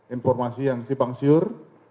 informasi yang sipang siur